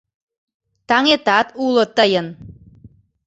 Таҥетат уло тыйын.